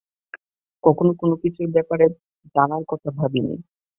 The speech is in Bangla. কখনো কোনোকিছুর ব্যাপারে জানার কথা ভাবিনি।